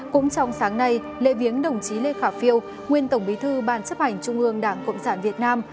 cũng trong sáng nay lễ viếng đồng chí lê khả phiêu nguyên tổng bí thư ban chấp hành trung ương đảng cộng sản việt nam